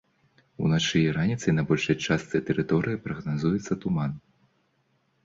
Уначы і раніцай на большай частцы тэрыторыі прагназуецца туман.